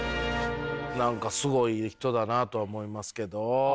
何かすごい人だなとは思いますけど。